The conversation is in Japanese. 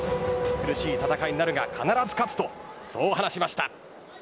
苦しい戦いになるが必ず勝つとそう話しました。